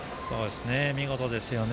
見事ですよね。